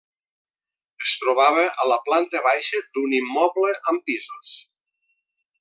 Es trobava a la planta baixa d'un immoble amb pisos.